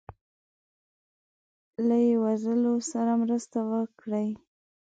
له یی وزلو سره مرسته وکړي